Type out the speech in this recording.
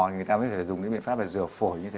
người ta mới thể dùng những biện pháp để rửa phổi như thế